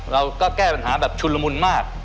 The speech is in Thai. เราก็แก้ปัญหาแบบชุนละมุนมาก